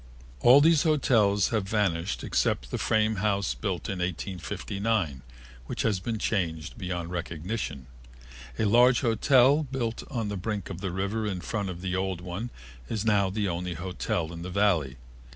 All these hotels have vanished except the frame house built in 1859, which has been changed beyond recognition. A large hotel built on the brink of the river in front of the old one is now the only hotel in the Valley.